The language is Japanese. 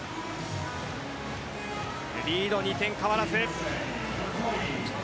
リード２点変わらず。